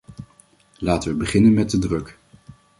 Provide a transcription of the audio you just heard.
Laten we beginnen met de druk.